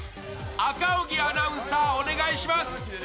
赤荻アナウンサー、お願いします。